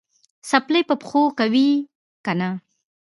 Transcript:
څپلۍ په پښو کوې که نه؟